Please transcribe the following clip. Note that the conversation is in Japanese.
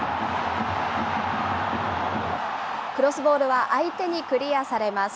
クロスボールは、相手にクリアされます。